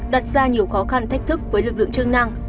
đặt ra nhiều khó khăn thách thức với lực lượng chức năng